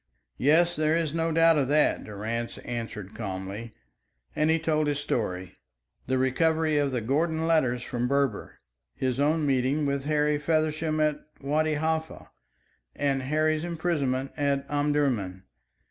"Yes, there is no doubt of that," Durrance answered calmly; and he told his story the recovery of the Gordon letters from Berber, his own meeting with Harry Feversham at Wadi Halfa, and Harry's imprisonment at Omdurman.